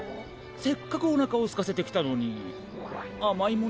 せっかくおなかをすかせてきたのにあまいものは？